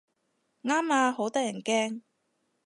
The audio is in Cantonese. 啱啊，好得人驚